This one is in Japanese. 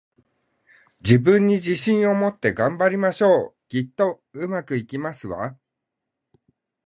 自分に自信を持って、頑張りましょう！きっと、上手くいきますわ